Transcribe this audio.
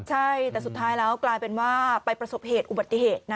ใช่แต่สุดท้ายแล้วกลายเป็นว่าไปประสบเหตุอุบัติเหตุ